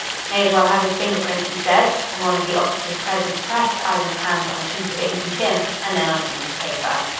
"May as well have his finger prints," he said, and one of the officers present pressed Ivan's hands on a piece of inky tin, and then on a piece of paper.